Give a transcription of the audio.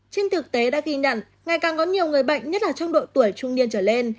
trên thực tế đã ghi nhận ngày càng có nhiều người bệnh nhất là trong độ tuổi trung niên trở lên